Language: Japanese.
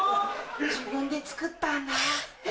自分で作ったんだ。